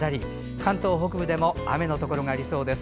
関東北部でも雨のところがありそうです。